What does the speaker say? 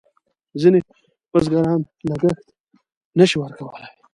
ځینې بزګران لګښت نه شي ورکولای.